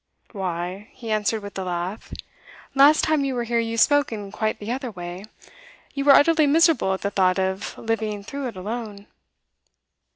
'Why,' he answered with a laugh, 'last time you were here you spoke in quite the other way. You were utterly miserable at the thought of living through it alone.